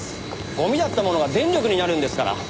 ゴミだったものが電力になるんですから。